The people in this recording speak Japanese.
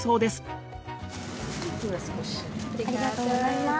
ありがとうございます。